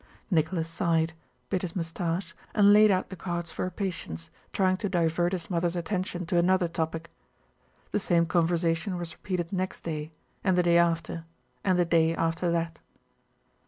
Nicholas sighed, bit his mustache, and laid out the cards for a patience, trying to divert his mother's attention to another topic. The same conversation was repeated next day and the day after, and the day after that.